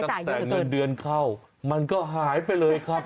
เงินเดือนเข้ามันก็หายไปเลยครับ